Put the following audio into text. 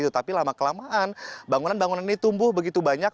tapi lama kelamaan bangunan bangunan ini tumbuh begitu banyak